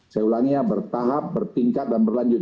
saya ulangi ya bertahap bertingkat dan berlanjut